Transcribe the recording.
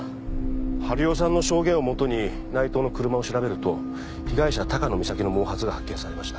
治代さんの証言を基に内藤の車を調べると被害者高野美咲の毛髪が発見されました。